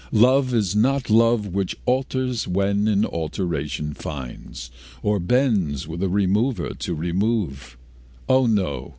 Love is not love Which alters when it alteration finds, Or bends with the remover to remove: O, no!